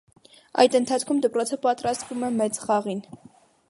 Այդ ընթացքում դպրոցը պատրաստվում է մեծ խաղին։